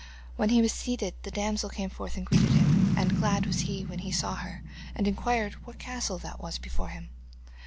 When he was seated the damsel came forth and greeted him, and glad was he when he saw her and inquired what castle that was before him.